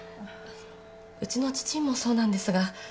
うちの父もそうなんですが。